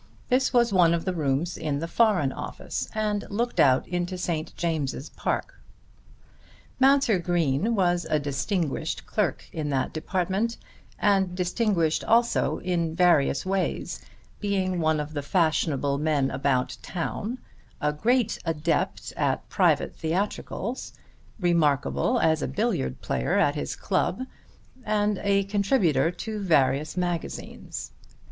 This was one of the rooms in the Foreign Office and looked out into St. James's Park. Mounser Green was a distinguished clerk in that department, and distinguished also in various ways, being one of the fashionable men about town, a great adept at private theatricals, remarkable as a billiard player at his club, and a contributor to various magazines.